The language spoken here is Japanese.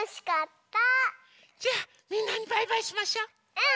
うん！